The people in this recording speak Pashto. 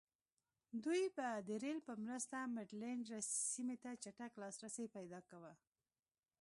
دوی به د رېل په مرسته منډلینډ سیمې ته چټک لاسرسی پیدا کاوه.